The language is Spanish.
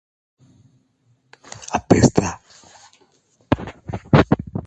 Apesta